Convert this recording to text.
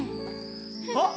あっ！